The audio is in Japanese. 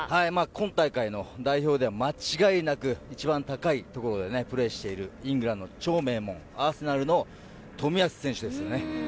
今大会の代表では間違いなく一番高いところでプレーしているイングランドの超名門アーセナルの冨安選手です。